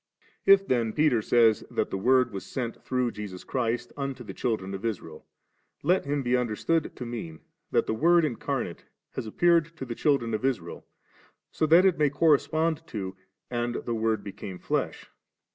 * If then Peter says that the Word was sent through Jesus Christ unto the children of Israel, let him be understood to mean, that the Word incarnate has appeared to the children of Israel, so that it may correspond to * And the Word became flesh.'